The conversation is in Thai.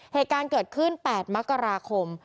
เหตุการณ์เกิดขึ้น๘มกราคม